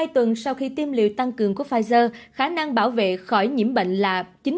hai tuần sau khi tiêm liệu tăng cường của pfizer khả năng bảo vệ khỏi nhiễm bệnh là chín mươi ba một